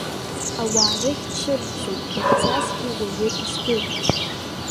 Ауаа рахь дцәырҵӡом, дахьцазгьы уаҩы издыруам.